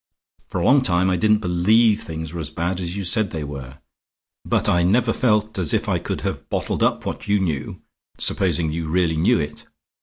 For a long time I didn't believe things were as bad as you said they were. But I never felt as if I could have bottled up what you knew, supposing you really knew it.